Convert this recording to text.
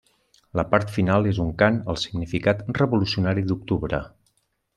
La part final és un cant al significat revolucionari d'octubre.